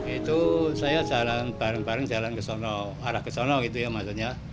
itu saya bareng bareng jalan ke sana arah ke sana maksudnya